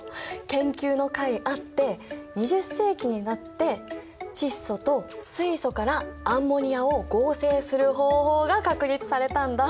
研究のかいあって２０世紀になって窒素と水素からアンモニアを合成する方法が確立されたんだ！